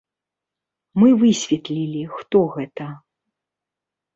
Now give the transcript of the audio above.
Мы высветлілі, хто гэта.